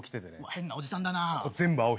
変なおじさんだな。